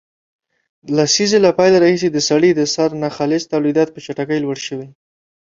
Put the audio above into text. لسیزې له پیل راهیسې د سړي د سر ناخالص تولیدات په چټکۍ لوړ شوي